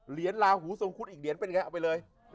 เหรียญลาหูสงคุฑอีกเหรียญเป็นไงเอาไปเลย